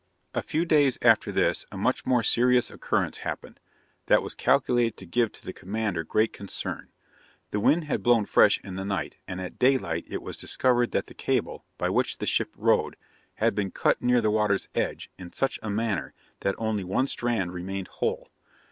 A few days after this, a much more serious occurrence happened, that was calculated to give to the commander great concern. The wind had blown fresh in the night, and at daylight it was discovered that the cable, by which the ship rode, had been cut near the water's edge, in such a manner, that only one strand remained whole.